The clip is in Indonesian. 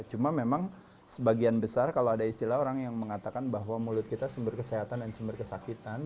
cuma memang sebagian besar kalau ada istilah orang yang mengatakan bahwa mulut kita sumber kesehatan dan sumber kesakitan